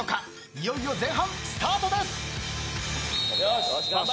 いよいよ前半スタートです。笑